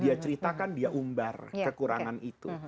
dia ceritakan dia umbar kekurangan itu